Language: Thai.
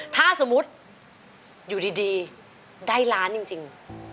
ถ้าสมมุติอยู่ดีได้ล้านจริง